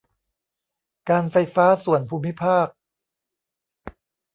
การไฟฟ้าส่วนภูมิภาค